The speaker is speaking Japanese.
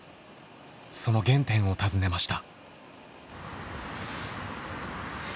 その原点を訪ねました。